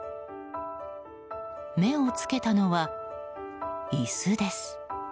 目を付けたのは椅子です。